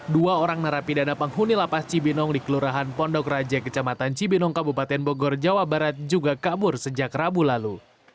dua orang narapidana penghuni lapas cibinong di kelurahan pondok raja kecamatan cibinong kabupaten bogor jawa barat juga kabur sejak rabu lalu